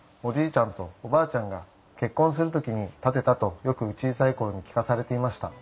ちゃんとおばあちゃんが結婚する時に建てたとよく小さい頃に聞かされていました。